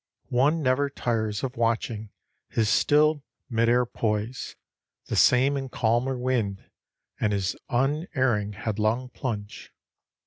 One never tires of watching his still mid air poise, the same in calm or wind, and his unerring headlong plunge.